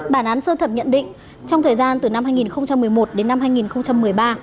bản án sơ thẩm nhận định trong thời gian từ năm hai nghìn một mươi một đến năm hai nghìn một mươi ba